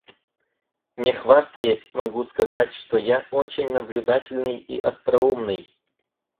Не хвастаясь, могу сказать, что я очень наблюдательный и остроумный.